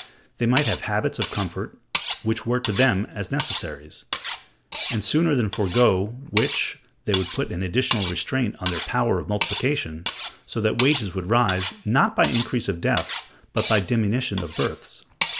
They might have habits of comfort which were to them as necessaries, and sooner than forego which, they would put an additional restraint on their power of multiplication; so that wages would rise, not by increase of deaths but by diminution of births.